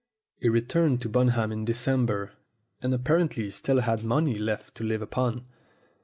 He returned to Bunham in December, and appar ently still had money left to live upon.